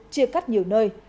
chia cắt nhiều nơi